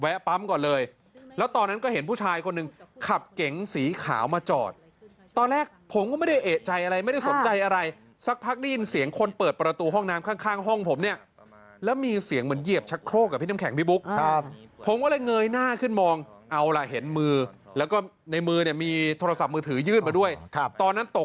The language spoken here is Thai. เออก็ให้น้องก็ลบคลิปนี้ด้วยเหมือนกัน